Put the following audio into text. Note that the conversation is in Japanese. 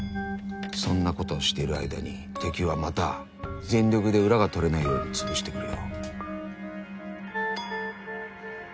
そんなことをしている間に敵はまた全力で裏が取れないように潰してくるよ。